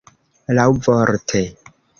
laŭvorte